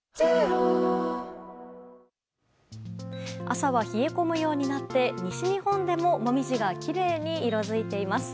朝は冷え込むようになって西日本でもモミジがきれいに色づいています。